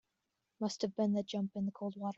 Must have been that jump in the cold water.